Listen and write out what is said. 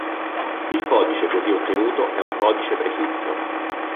Il codice così ottenuto è un codice prefisso.